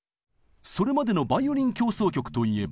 それまでのバイオリン協奏曲といえば。